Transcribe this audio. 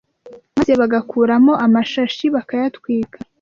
maze bagakuramo amashashi bakayatwika